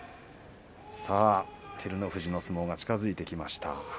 照ノ富士の相撲が近づいてきました。